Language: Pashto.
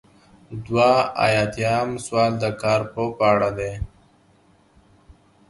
دوه ایاتیام سوال د کارپوه په اړه دی.